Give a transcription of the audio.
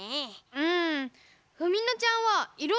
うん。